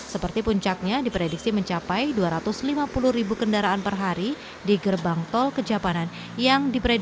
seperti puncaknya diprediksi mencapai dua ratus lima puluh ribu kendaraan per hari di gerbang tol kejapanan